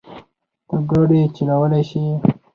ته ګاډی چلولی شې؟